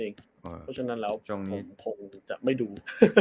เพราะฉะนั้นแล้วคงจะไม่ดู